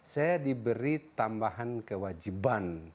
saya diberi tambahan kewajiban